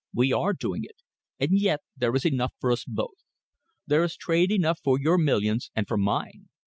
We are doing it. And yet there is enough for us both. There is trade enough for your millions and for mine.